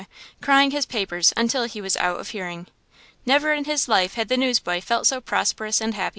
crying his papers until he was out of hearing. Never in his life had the newsboy felt so prosperous and happy.